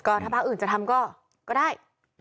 ถ้าภาคอื่นจะทำก็ได้